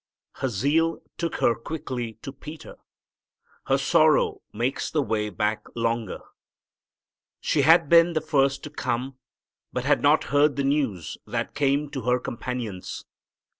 Her zeal took her quickly to Peter. Her sorrow makes the way back longer. She had been first to come, but had not heard the news that came to her companions.